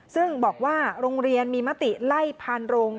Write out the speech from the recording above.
ซึ่งบอกว่าโรงเรียนมีมติไล่พานโรง